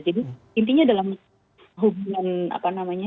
jadi intinya dalam hubungan apa namanya